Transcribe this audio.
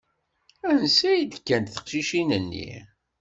Ansa i d-kkant teqcicin-nni?